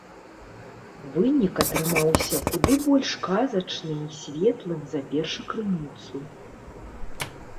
Вынік атрымаўся куды больш казачным і светлым за першакрыніцу.